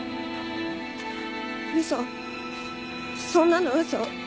嘘そんなの嘘